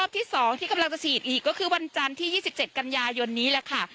ที่สองที่กำลังจะฉีดอีกก็คือวันจันที่ยี่สิบเจ็ดกันยายนนี้แล้วค่ะ